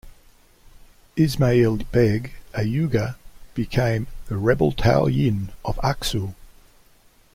Isma'il Beg, a Uighur, became the rebel Tao-yin of Aksu.